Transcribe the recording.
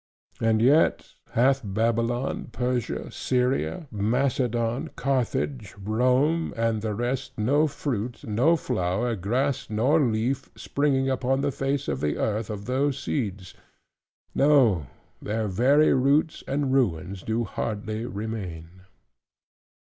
And yet hath Babylon, Persia, Syria, Macedon, Carthage, Rome, and the rest, no fruit, no flower, grass, nor leaf, springing upon the face of the earth, of those seeds: no, their very roots and ruins do hardly remain.